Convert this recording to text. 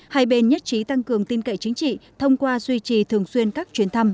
hai bên nhất trí tăng cường tin cậy chính trị thông qua duy trì thường xuyên các chuyến thăm